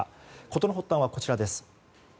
事の発端はこちらです。